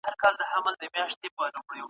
دا پخوانی بنسټ استثماري بڼه درلوده.